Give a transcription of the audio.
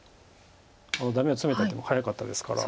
あのダメをツメた手も早かったですから。